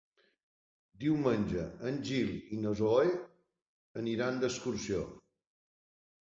Diumenge en Gil i na Zoè aniran d'excursió.